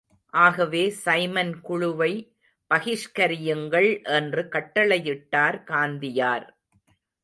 ஆகவே சைமன் குழுவை பகிஷ்கரியுங்கள் என்று கட்டளையிட்டார் காந்தியார்.